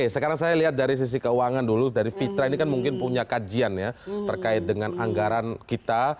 sekarang saya lihat dari sisi keuangan dulu dari fitra ini kan mungkin punya kajian ya terkait dengan anggaran kita